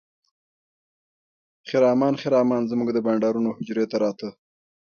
خرامان خرامان زموږ د بانډارونو حجرې ته راته.